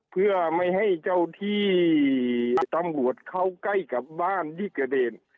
เพื่อไม่ให้เจ้าที่ตำรวจเข้าใกล้กับบ้านที่กระเดน